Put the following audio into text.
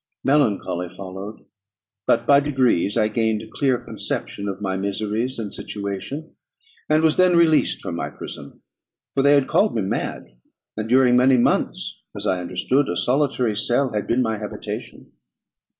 Melancholy followed, but by degrees I gained a clear conception of my miseries and situation, and was then released from my prison. For they had called me mad; and during many months, as I understood, a solitary cell had been my habitation.